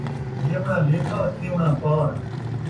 ݙیوݨا لیکھا ، تھیوݨاں پار